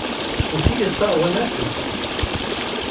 بۆچی ئێستا ئەوە ناکەیت؟